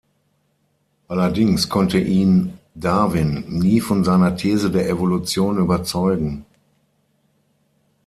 Allerdings konnte ihn Darwin nie von seiner These der Evolution überzeugen.